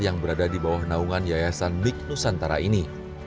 yang berada di bawah naungan yayasan mig nusantara ini